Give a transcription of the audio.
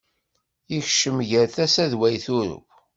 Ikcem gar tasa,d way turew.